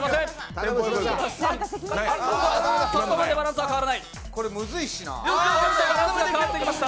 そこまでバランスは変わらない。